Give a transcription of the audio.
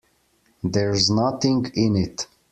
There's nothing in it.